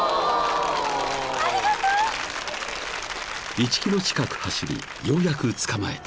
［１ｋｍ近く走りようやく捕まえた］